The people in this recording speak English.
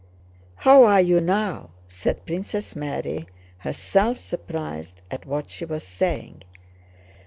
"How are you now?" said Princess Mary, herself surprised at what she was saying.